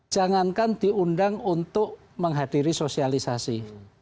jangankan diundang untuk menghadiri sosialisasi